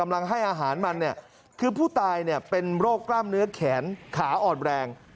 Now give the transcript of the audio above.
กำลังให้อาหารมันเนี่ยคือผู้ตายเป็นโรคกล้ามเนื้อแขนขาอ่อนแรง